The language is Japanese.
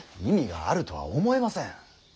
意味があるとは思えません。